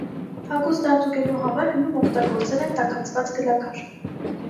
Հագուստ արդուկելու համար հնում օգտագործել են տաքացված գլաքար։